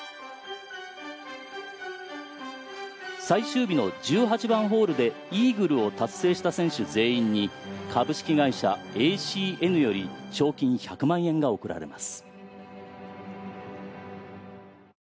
最終日の１８番ホールでイーグルを達成した選手全員に株式会社エーシーエヌより賞金１００万円が贈られます。